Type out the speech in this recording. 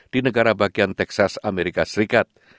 di negara bagian texas amerika serikat